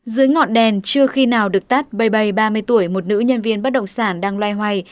dưới ngọn đèn chưa khi nào được tắt bơi ba mươi tuổi một nữ nhân viên bất động sản đang loay hoay